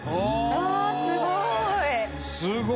「あっすごい！」